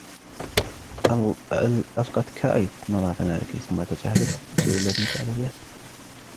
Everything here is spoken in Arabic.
ألقت كايت نظرة على كريس ثم تجاهلته ، الشيء الذي جعله يحزن.